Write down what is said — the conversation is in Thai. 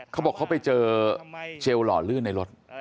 เขาบอกเขาไปเจอเจลหล่อลื่นในรถ